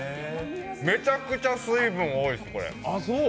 めちゃくちゃ水分多いです、これ。